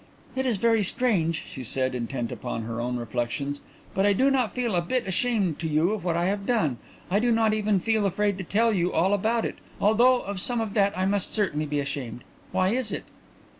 "It is very strange," she said, intent upon her own reflections, "but I do not feel a bit ashamed to you of what I have done. I do not even feel afraid to tell you all about it, although of some of that I must certainly be ashamed. Why is it?"